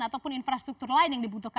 ataupun infrastruktur lain yang dibutuhkan